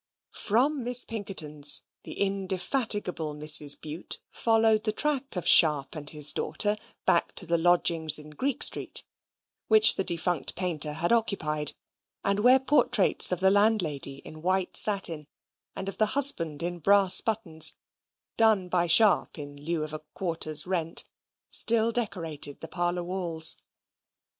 From Miss Pinkerton's the indefatigable Mrs. Bute followed the track of Sharp and his daughter back to the lodgings in Greek Street, which the defunct painter had occupied; and where portraits of the landlady in white satin, and of the husband in brass buttons, done by Sharp in lieu of a quarter's rent, still decorated the parlour walls.